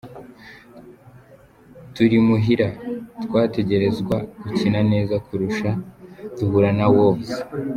"Turi muhira, twategerezwa gukina neza kurusha duhura na Wolves.